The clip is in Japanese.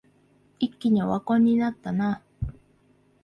一気にオワコンになったな